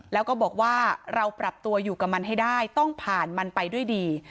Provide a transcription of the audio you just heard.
แล้วก็บอกว่าเราปรับตัวอยู่กับมันให้ได้ต้องผ่านมันไปด้วยดี